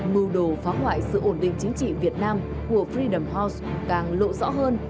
mưu đồ phá hoại sự ổn định chính trị việt nam của fredam house càng lộ rõ hơn